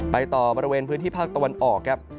ต่อบริเวณพื้นที่ภาคตะวันออกครับ